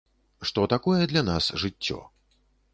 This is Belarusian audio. Што такое для нас жыццё.